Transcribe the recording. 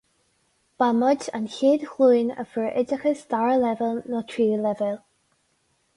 Ba muid an chéad ghlúin a fuair oideachas dara leibhéal nó tríú leibhéal.